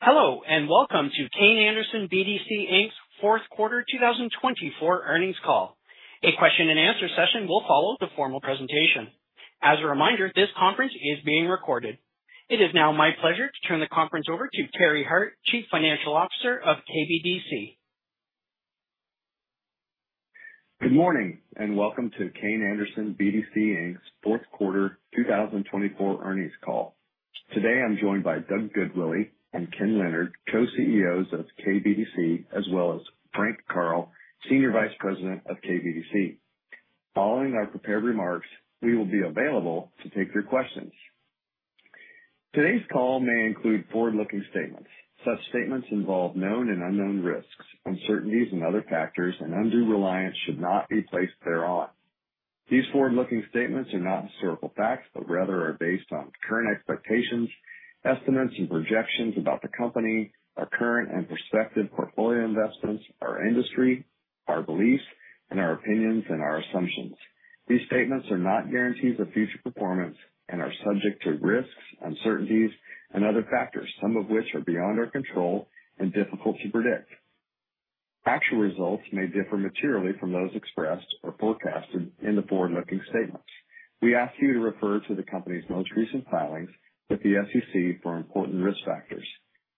Hello, welcome to Kayne Anderson BDC, Inc.'s Q4 2024 earnings call. A Q&A session will follow the formal presentation. As a reminder, this conference is being recorded. It is now my pleasure to turn the conference over to Terry Hart, Chief Financial Officer of KBDC. Good morning, and welcome to Kayne Anderson BDC, Inc.'s Q4 2024 earnings call. Today I'm joined by Doug Goodwillie and Ken Leonard, Co-CEOs of KBDC, as well as Frank Karl, Senior Vice President of KBDC. Following our prepared remarks, we will be available to take your questions. Today's call may include forward-looking statements. Such statements involve known and unknown risks, uncertainties and other factors, and undue reliance should not be placed thereon. These forward-looking statements are not historical facts, but rather are based on current expectations, estimates, and projections about the company, our current and prospective portfolio investments, our industry, our beliefs, and our opinions, and our assumptions. These statements are not guarantees of future performance and are subject to risks, uncertainties, and other factors, some of which are beyond our control and difficult to predict. Actual results may differ materially from those expressed or forecasted in the forward-looking statements. We ask you to refer to the company's most recent filings with the SEC for important risk factors.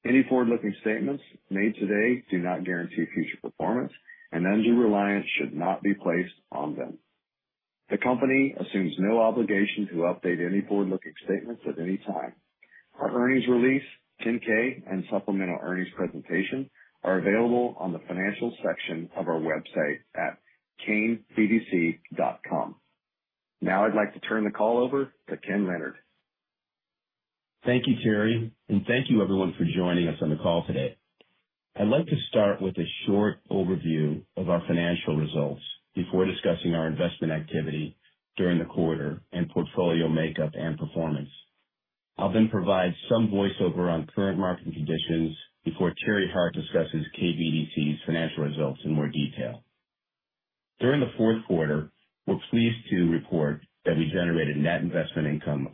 Any forward-looking statements made today do not guarantee future performance and undue reliance should not be placed on them. The company assumes no obligation to update any forward-looking statements at any time. Our earnings release, 10-K, and supplemental earnings presentation are available on the financial section of our website at kaynebdc.com. I'd like to turn the call over to Ken Leonard. Thank you, Terry, and thank you everyone for joining us on the call today. I'd like to start with a short overview of our financial results before discussing our investment activity during the quarter and portfolio makeup and performance. I'll then provide some voiceover on current market conditions before Terry Hart discusses KBDC's financial results in more detail. During the Q4, we're pleased to report that we generated net investment income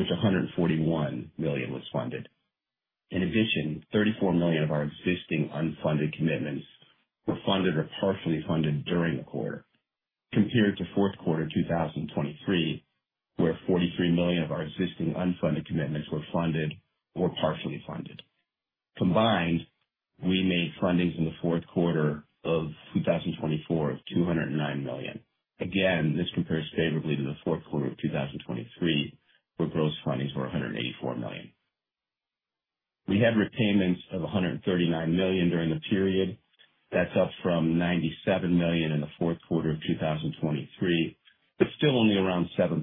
distributed our $0.40 of regular dividend and $0.10 per shares of a special dividend. The latter of which was declared around the time of our IPO. As a reminder, at year-end 2024, KBDC held approximately $0.32 per share of spillover income. Turning to our private middle market investment activity in the Q4 of 2024, we made $231 million of total commitments across 16 different businesses during the period, of which $175 million was funded. This compares favorably to the Q4 of 2023, where we made new commitments of $153 million, of which $141 million was funded. $34 million of our existing unfunded commitments were funded or partially funded during the quarter, compared to Q4 2023, where $43 million of our existing unfunded commitments were funded or partially funded. Combined, we made fundings in the Q4 of 2024 of $209 million. This compares favorably to the Q4 of 2023, where gross fundings were $184 million. We had repayments of $139 million during the period. That's up from $97 million in the Q4 of 2023, but still only around 7%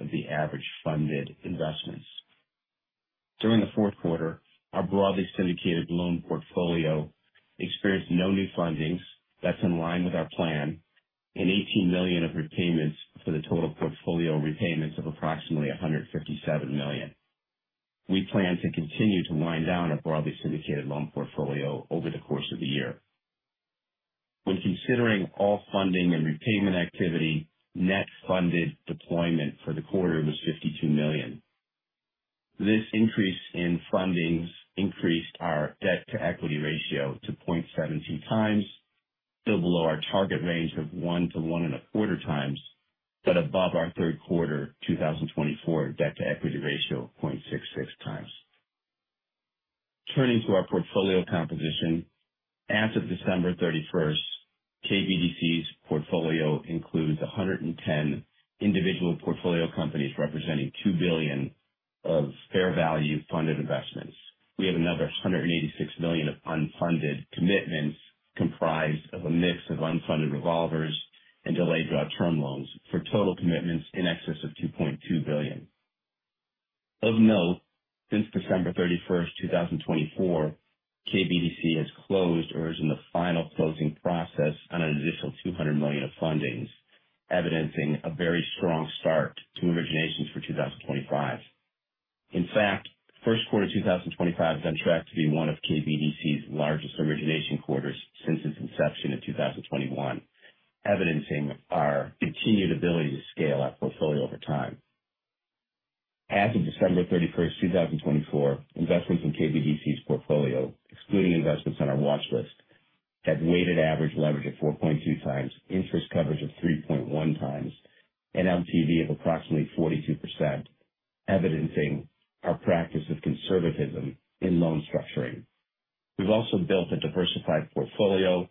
of the average funded investments. During the Q4, our broadly syndicated loan portfolio experienced no new fundings. That's in line with our plan. $18 million of repayments for the total portfolio repayments of approximately $157 million. We plan to continue to wind down our broadly syndicated loan portfolio over the course of the year. When considering all funding and repayment activity, net funded deployment for the quarter was $52 million. This increase in fundings increased our debt-to-equity ratio to 0.72x, still below our target range of 1x to 1.25x, but above our Q3 2024 debt-to-equity ratio of 0.66x. Turning to our portfolio composition. As of December 31st, KBDC's portfolio includes 110 individual portfolio companies representing $2 billion of fair value funded investments. We have another $186 million of unfunded commitments comprised of a mix of unfunded revolvers and delayed draw term loans for total commitments in excess of $2.2 billion. Of note, since December 31st, 2024, KBDC has closed or is in the final closing process on an additional $200 million of fundings, evidencing a very strong start to originations for 2025. In fact, Q1 2025 is on track to be one of KBDC's largest origination quarters since its inception in 2021, evidencing our continued ability to scale our portfolio over time. As of December 31, 2024, investments in KBDC's portfolio, excluding investments on our watch list, had weighted average leverage of 4.2x, interest coverage of 3.1x, and LTV of approximately 42%, evidencing our practice of conservatism in loan structuring. We've also built a diversified portfolio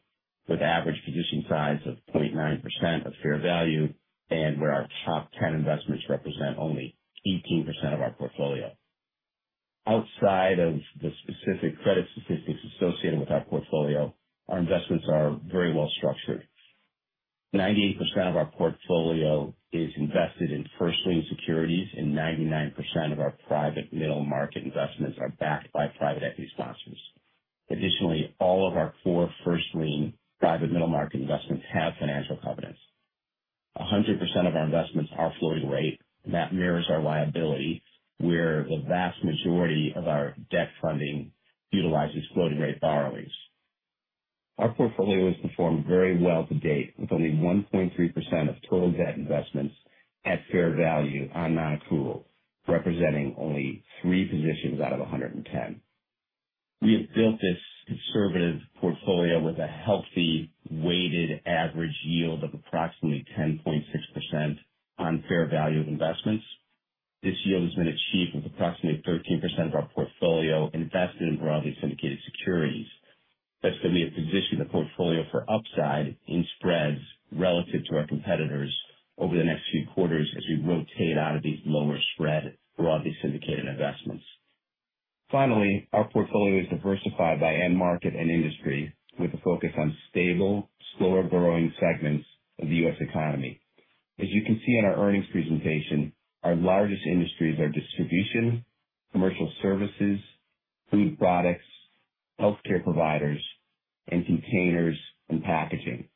with average position size of 0.9% of fair value, and where our top 10 investments represent only 18% of our portfolio. Outside of the specific credit statistics associated with our portfolio, our investments are very well structured. 98% of our portfolio is invested in first lien securities, and 99% of our private middle market investments are backed by private equity sponsors. food products, healthcare providers, and containers and packaging.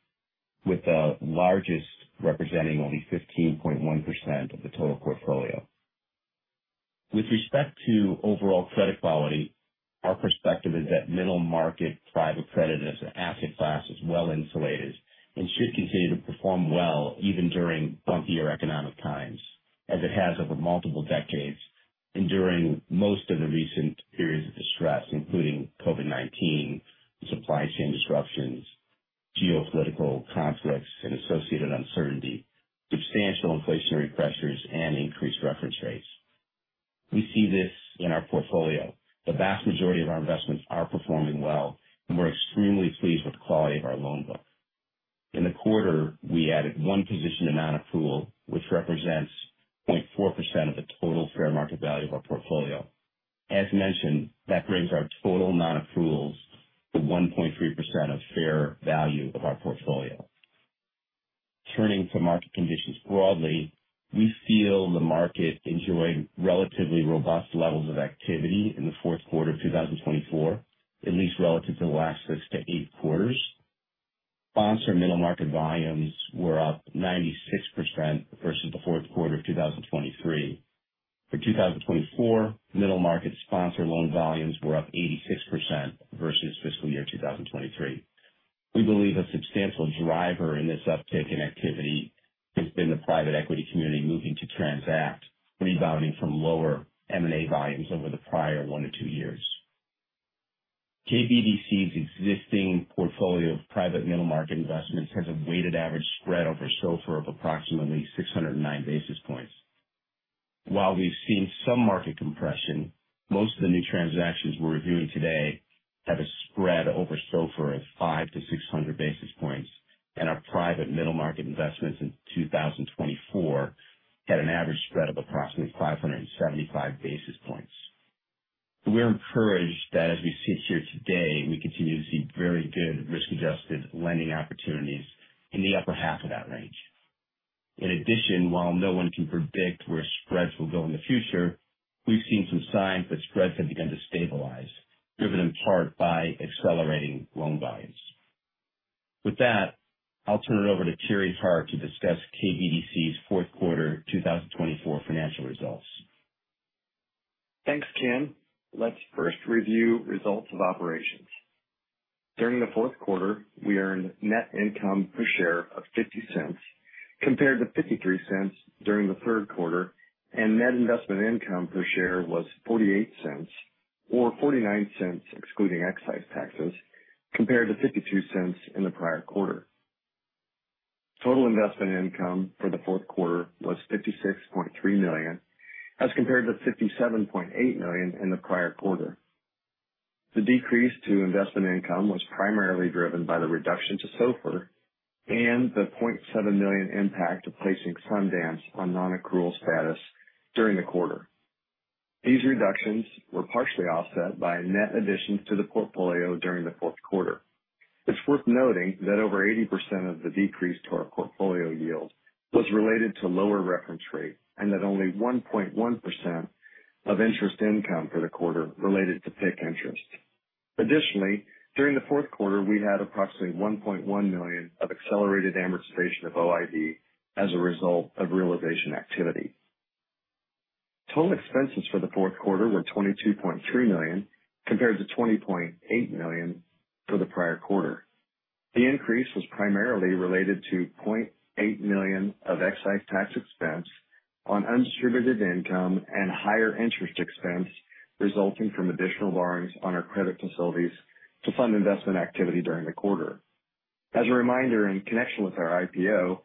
With the largest representing only 15.1% of the total portfolio. With respect to overall credit quality, our perspective is that middle market private credit as an asset class is well insulated and should continue to perform well even during bumpier economic times, as it has over multiple decades. Enduring most of the recent periods of distress, including COVID-19, supply chain disruptions, geopolitical conflicts and associated uncertainty, substantial inflationary pressures, and increased reference rates. We see this in our portfolio. The vast majority of our investments are performing well, and we're extremely pleased with the quality of our loan book. In the quarter, we added 1 position to nonaccrual, which represents 0.4% of the total fair market value of our portfolio. As mentioned, that brings our total nonaccruals to 1.3% of fair value of our portfolio. Turning to market conditions broadly, we feel the market enjoyed relatively robust levels of activity in the Q4 of 2024, at least relative to the last six to eight quarters. Sponsor middle market volumes were up 96% versus the Q4 of 2023. For 2024, middle market sponsor loan volumes were up 86% versus fiscal year 2023. We believe a substantial driver in this uptick in activity has been the private equity community moving to transact, rebounding from lower M&A volumes over the prior one to two years. KBDC's existing portfolio of private middle market investments has a weighted average spread over SOFR of approximately 609 basis points. While we've seen some market compression, most of the new transactions we're reviewing today have a spread over SOFR of 500 basis points-600 basis points, and our private middle market investments in 2024 had an average spread of approximately 575 basis points. We're encouraged that as we sit here today, we continue to see very good risk-adjusted lending opportunities in the upper half of that range. While no one can predict where spreads will go in the future, we've seen some signs that spreads have begun to stabilize, driven in part by accelerating loan volumes. With that, I'll turn it over to Terry Hart to discuss KBDC's Q4 2024 financial results. Thanks, Ken. Let's first review results of operations. During the Q4, we earned net income per share of $0.50 compared to $0.53 during the Q3, and net investment income per share was $0.48, or $0.49 excluding excise taxes, compared to $0.52 in the prior quarter. Total investment income for the Q4 was $56.3 million, as compared to $57.8 million in the prior quarter. The decrease to investment income was primarily driven by the reduction to SOFR and the $0.7 million impact of placing Sundance on nonaccrual status during the quarter. These reductions were partially offset by net additions to the portfolio during the Q4. It's worth noting that over 80% of the decrease to our portfolio yield was related to lower reference rate. Only 1.1% of interest income for the quarter related to PIK interest. Additionally, during the Q4, we had approximately $1.1 million of accelerated amortization of OID as a result of realization activity. Total expenses for the Q4 were $22.3 million, compared to $20.8 million for the prior quarter. The increase was primarily related to $0.8 million of excise tax expense on undistributed income and higher interest expense resulting from additional borrowings on our credit facilities to fund investment activity during the quarter. As a reminder, in connection with our IPO,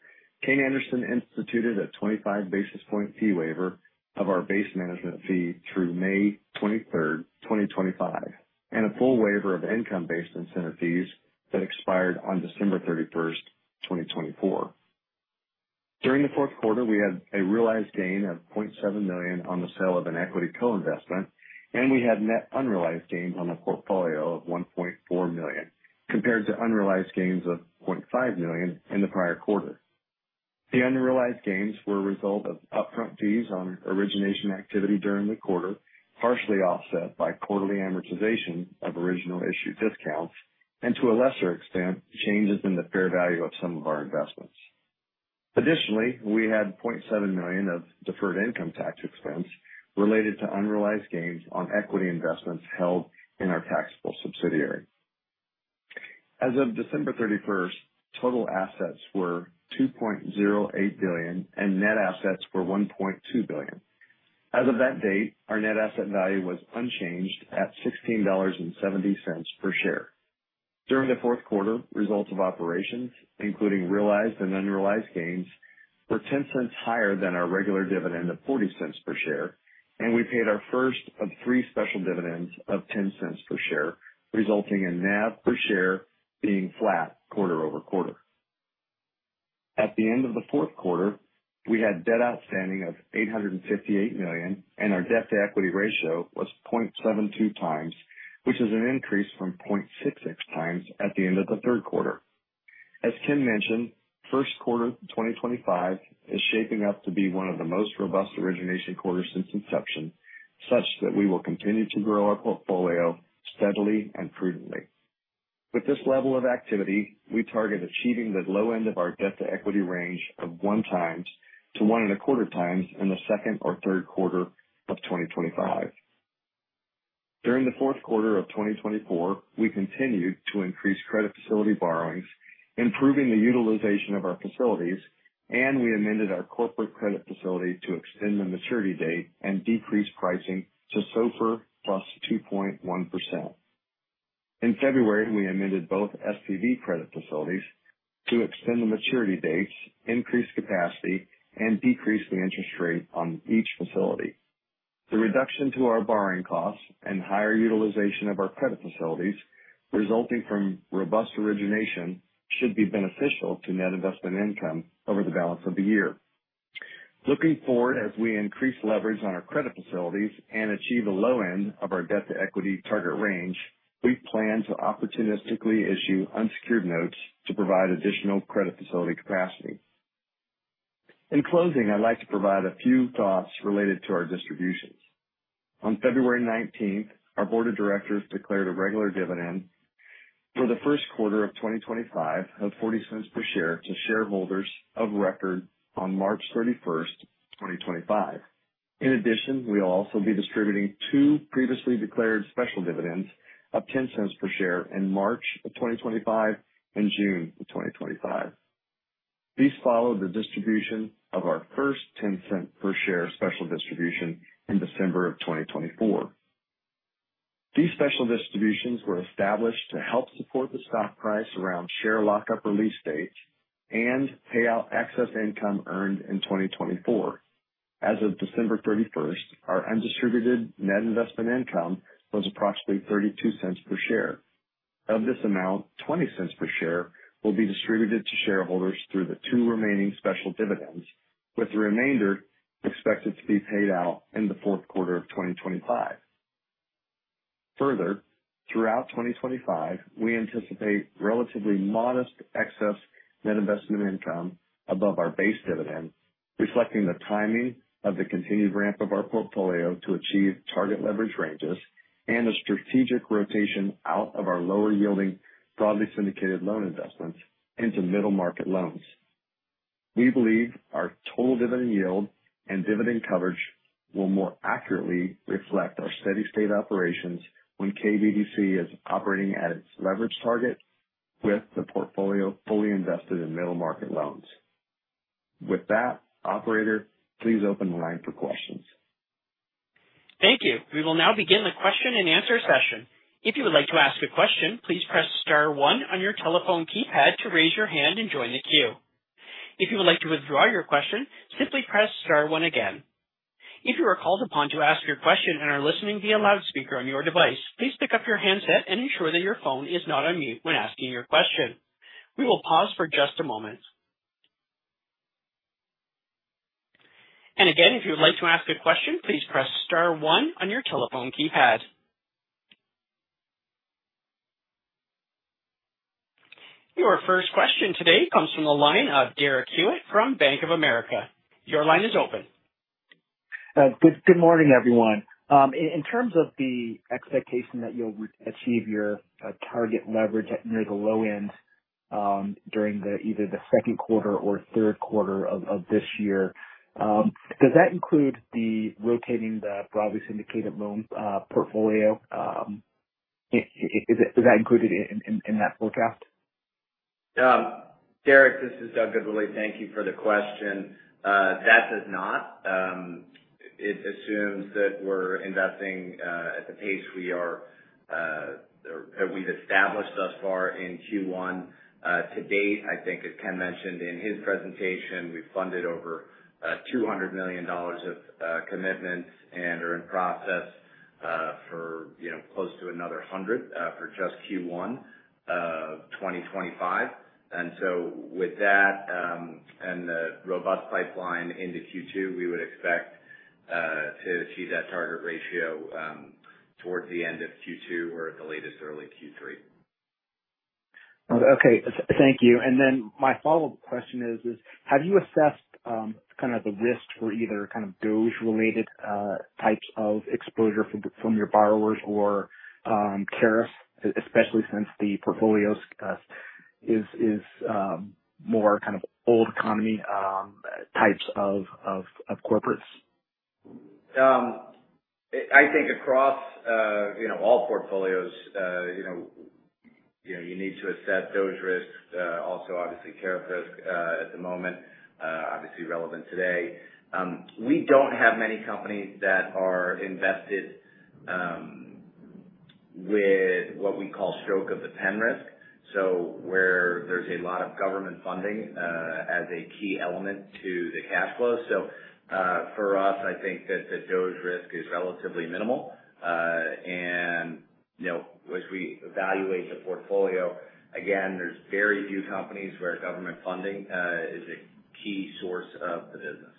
Kayne Anderson instituted a 25 basis point fee waiver of our base management fee through May 23rd, 2025, and a full waiver of income-based incentive fees that expired on December 31st, 2024. During the Q4, we had a realized gain of $0.7 million on the sale of an equity co-investment, and we had net unrealized gains on a portfolio of $1.4 million, compared to unrealized gains of $0.5 million in the prior quarter. The unrealized gains were a result of upfront fees on origination activity during the quarter, partially offset by quarterly amortization of original issue discounts and, to a lesser extent, changes in the fair value of some of our investments. Additionally, we had $0.7 million of deferred income tax expense related to unrealized gains on equity investments held in our taxable subsidiary. As of December 31st, total assets were $2.08 billion, and net assets were $1.2 billion. As of that date, our net asset value was unchanged at $16.70 per share. During the Q4, results of operations, including realized and unrealized gains, were $0.10 higher than our regular dividend of $0.40 per share, and we paid our first of three special dividends of $0.10 per share, resulting in NAV per share being flat quarter-over-quarter. At the end of the Q4, we had debt outstanding of $858 million. Our debt-to-equity ratio was 0.72x, which is an increase from 0.66x at the end of the Q3. As Ken Leonard mentioned, Q1 2025 is shaping up to be one of the most robust origination quarters since inception, such that we will continue to grow our portfolio steadily and prudently. With this level of activity, we target achieving the low end of our debt-to-equity range of 1x-1.25x in the second or Q3 of 2025. During the Q4 of 2024, we continued to increase credit facility borrowings, improving the utilization of our facilities. We amended our corporate credit facility to extend the maturity date and decrease pricing to SOFR plus 2.1%. In February, we amended both SPV credit facilities to extend the maturity dates, increase capacity, and decrease the interest rate on each facility. The reduction to our borrowing costs and higher utilization of our credit facilities resulting from robust origination should be beneficial to net investment income over the balance of the year. Looking forward, as we increase leverage on our credit facilities and achieve a low end of our debt-to-equity target range, we plan to opportunistically issue unsecured notes to provide additional credit facility capacity. In closing, I'd like to provide a few thoughts related to our distributions. On February 19th, our board of directors declared a regular dividend for the Q1 of 2025 of $0.40 per share to shareholders of record on March 31st, 2025. In addition, we'll also be distributing two previously declared special dividends of $0.10 per share in March of 2025 and June of 2025. These follow the distribution of our first $0.10 per share special distribution in December of 2024. These special distributions were established to help support the stock price around share lockup release dates and pay out excess income earned in 2024. As of December 31st, our undistributed net investment income was approximately $0.32 per share. Of this amount, $0.20 per share will be distributed to shareholders through the two remaining special dividends, with the remainder expected to be paid out in the Q4 of 2025. Throughout 2025, we anticipate relatively modest excess net investment income above our base dividend, reflecting the timing of the continued ramp of our portfolio to achieve target leverage ranges and a strategic rotation out of our lower yielding broadly syndicated loan investments into middle market loans. We believe our total dividend yield and dividend coverage will more accurately reflect our steady state operations when KBDC is operating at its leverage target with the portfolio fully invested in middle market loans. With that, operator, please open the line for questions. Thank you. We will now begin the question and answer session. If you would like to ask a question, please press star one on your telephone keypad to raise your hand and join the queue. If you would like to withdraw your question, simply press star one again. If you are called upon to ask your question and are listening via loudspeaker on your device, please pick up your handset and ensure that your phone is not on mute when asking your question. We will pause for just a moment. Again, if you would like to ask a question, please press star one on your telephone keypad. Your first question today comes from the line of Derek Hewett from Bank of America. Your line is open. Good morning, everyone. In terms of the expectation that you'll re-achieve your target leverage at near the low end, during the either the Q2 or Q3 of this year, does that include the rotating the broadly syndicated loan portfolio? Is that included in that forecast? Derek, this is Doug Goodwillie. Thank you for the question. That does not. It assumes that we're investing at the pace or that we've established thus far in Q1. To date, I think as Ken mentioned in his presentation, we funded over $200 million of commitments and are in process, you know, for close to another $100 for just Q1 of 2025. With that, and the robust pipeline into Q2, we would expect to achieve that target ratio towards the end of Q2 or at the latest, early Q3. Okay. Thank you. My follow-up question is, have you assessed, kind of the risk for either kind of DOGE-related, types of exposure from your borrowers or, tariffs, especially since the portfolio is more kind of old economy, types of corporates? I think across, you know, all portfolios, you know, you need to assess those risks. Also obviously tariff risk at the moment, obviously relevant today. We don't have many companies that are invested with what we call stroke of the pen risk. Where there's a lot of government funding as a key element to the cash flow. For us, I think that the DOGE risk is relatively minimal. You know, as we evaluate the portfolio, again, there's very few companies where government funding is a key source of the business.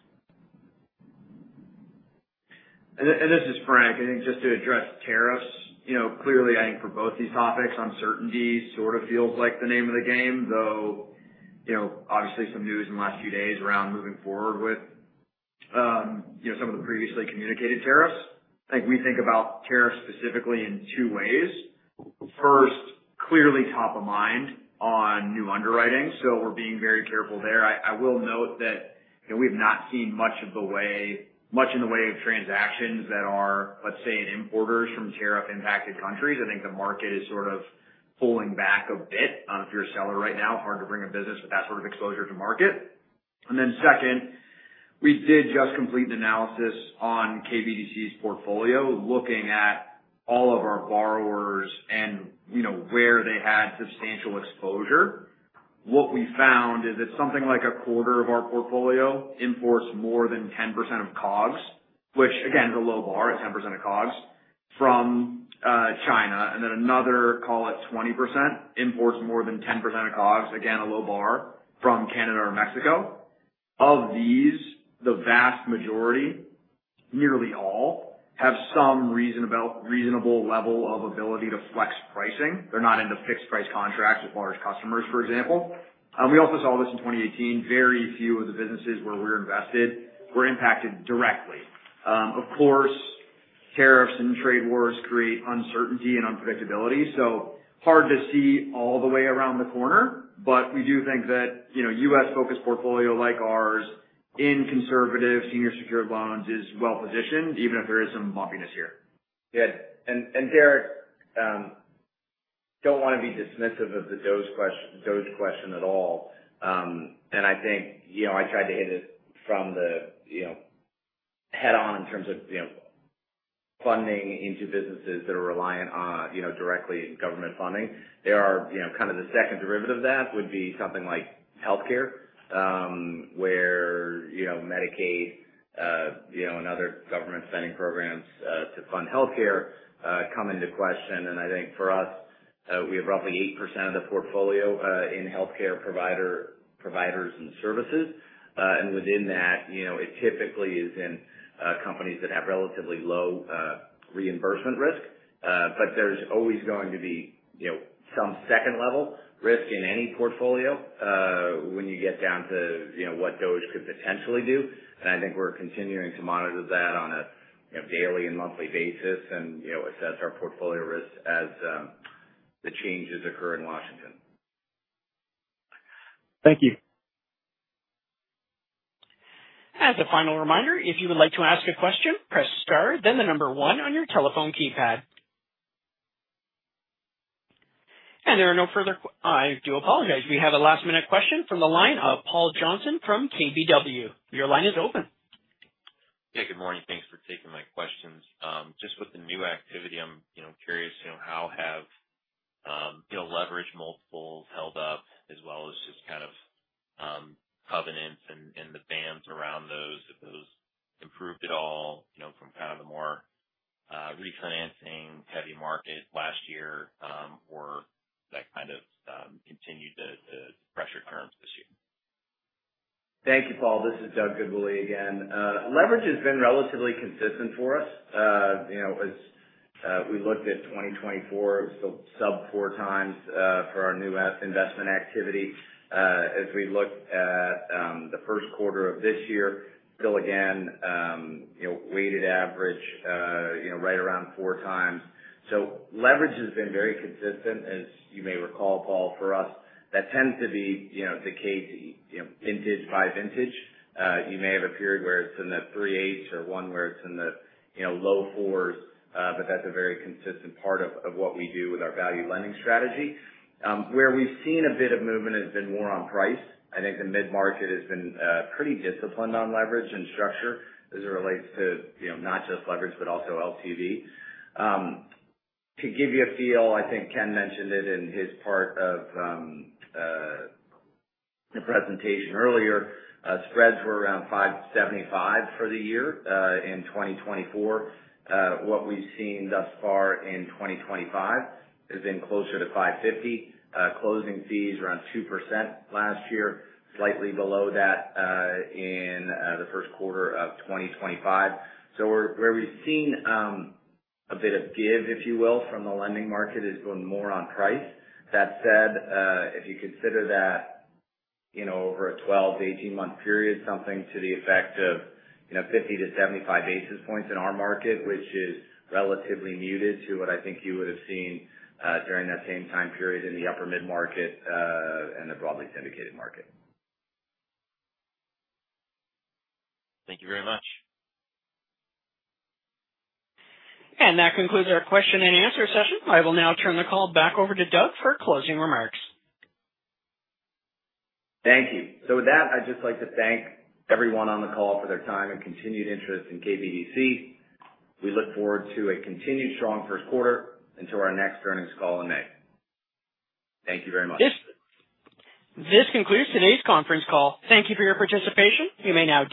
This is Frank. I think just to address tariffs, you know, clearly I think for both these topics, uncertainty sort of feels like the name of the game, though, you know, obviously some news in the last few days around moving forward with, you know, some of the previously communicated tariffs. I think we think about tariffs specifically in two ways. First, clearly top of mind on new underwriting, so we're being very careful there. I will note that, you know, we've not seen much in the way of transactions that are, let's say, in importers from tariff impacted countries. I think the market is sort of pulling back a bit. If you're a seller right now, hard to bring a business with that sort of exposure to market. Second, we did just complete an analysis on KBDC's portfolio, looking at all of our borrowers and you know, where they had substantial exposure. What we found is that something like a quarter of our portfolio imports more than 10% of COGS, which again, is a low bar at 10% of COGS from China. Another, call it 20% imports more than 10% of COGS, again, a low bar from Canada or Mexico. Of these, the vast majority, nearly all, have some reasonable level of ability to flex pricing. They're not into fixed price contracts with large customers, for example. We also saw this in 2018. Very few of the businesses where we're invested were impacted directly. Of course, tariffs and trade wars create uncertainty and unpredictability, so hard to see all the way around the corner. We do think that, you know, U.S. focused portfolio like ours in conservative senior secured loans is well-positioned, even if there is some bumpiness here. Yeah. Derek, don't wanna be dismissive of the DOGE question at all. I think, you know, I tried to hit it from the, you know, head on in terms of, you know, funding into businesses that are reliant on, you know, directly government funding. There are, you know, kind of the second derivative of that would be something like healthcare, where, you know, Medicaid, you know, and other government spending programs to fund healthcare come into question. I think for us, we have roughly 8% of the portfolio in healthcare providers and services. Within that, you know, it typically is in companies that have relatively low reimbursement risk. There's always going to be, you know, some second level risk in any portfolio, when you get down to, you know, what DOGE could potentially do. I think we're continuing to monitor that on a, you know, daily and monthly basis and, you know, assess our portfolio risk as the changes occur in Washington. Thank you. As a final reminder, if you would like to ask a question, press star then the one on your telephone keypad. There are no further. I do apologize. We have a last minute question from the line of Paul Johnson from KBW. Your line is open. Yeah, good morning. Thanks for taking my questions. Just with the new activity, I'm, you know, curious, you know, how have, you know, leverage multiples held up as well as just kind of, covenants and the bands around those, if those improved at all, you know, from kind of the more, refinancing heavy market last year, or that kind of, continued the pressure terms this year? Thank you, Paul. This is Doug Goodwillie again. Leverage has been relatively consistent for us. you know, as we looked at 2024, it was still sub 4x for our new investment activity. As we look at the Q1 of this year, still again, you know, weighted average, you know, right around 4x. Leverage has been very consistent. As you may recall, Paul, for us that tends to be, you know, the case, you know, vintage by vintage. you may have a period where it's in the 3.8x or one where it's in the, you know, low 4x. That's a very consistent part of what we do with our value lending strategy. Where we've seen a bit of movement has been more on price. I think the mid-market has been pretty disciplined on leverage and structure as it relates to, you know, not just leverage but also LTV. To give you a feel, I think Ken mentioned it in his part of the presentation earlier. Spreads were around 5.75% for the year in 2024. What we've seen thus far in 2025 has been closer to 5.50%. Closing fees around 2% last year, slightly below that in the Q1 of 2025. Where we've seen a bit of give, if you will, from the lending market, has been more on price. That said, if you consider that, you know, over a 12-18-month period, something to the effect of, you know, 50 basis points-75 basis points in our market, which is relatively muted to what I think you would have seen, during that same time period in the upper mid-market, and the broadly syndicated market. Thank you very much. That concludes our question and answer session. I will now turn the call back over to Doug for closing remarks. Thank you. With that, I'd just like to thank everyone on the call for their time and continued interest in KBDC. We look forward to a continued strong Q1 into our next earnings call in May. Thank you very much. This concludes today's conference call. Thank you for your participation. You may now disconnect.